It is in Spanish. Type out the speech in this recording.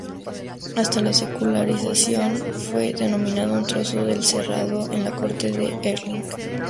Hasta la secularización fue dominio, un trozo del "cerrado" de la corte de Erling.